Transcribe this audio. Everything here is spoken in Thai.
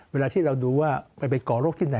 เวลาที่เราดูว่าไปก่อโรคที่ไหน